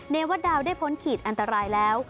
วัตดาวได้พ้นขีดอันตรายแล้ว